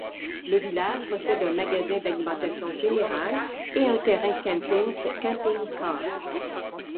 Le village possède un magasin d'alimentation générale, et un terrain de camping pour camping-cars.